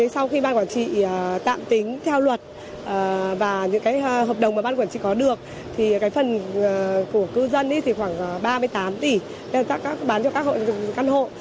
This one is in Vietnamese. sau khi bang quản trị tạm tính theo luật và những hợp đồng mà bang quản trị có được phần của cư dân thì khoảng ba mươi tám tỷ bán cho các căn hộ